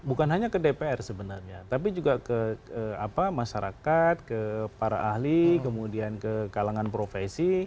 bukan hanya ke dpr sebenarnya tapi juga ke masyarakat ke para ahli kemudian ke kalangan profesi